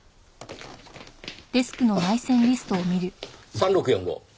３６４５。